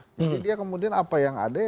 jadi dia kemudian apa yang ada